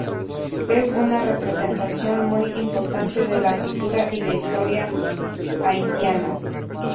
Es una representación muy importante de la cultura y la historia haitianas.